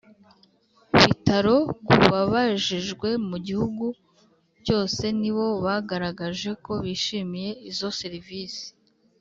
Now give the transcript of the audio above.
Bitaro ku babajijwe mu gihugu cyose nibo bagaragaje ko bishimiye izo serivisi